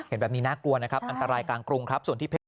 เห็นแบบนี้น่ากลัวนะครับอันตรายกลางกรุงครับ